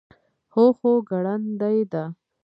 هو، خو ګړندۍ ده